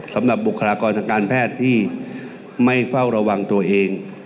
สำหรับบุคลากรณการแพทย์ที่ไม่เฝ้าระวังตัวเอง